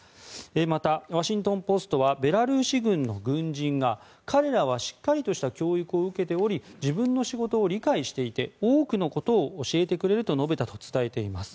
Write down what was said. また、ワシントン・ポストはベラルーシ軍の軍人が彼らはしっかりとした教育を受けており自分の仕事を理解していて多くのことを教えてくれると述べたと伝えています。